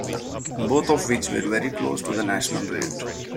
Both of which were very close to the national rate.